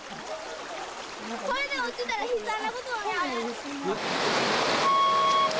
これで落ちたら悲惨なことになる。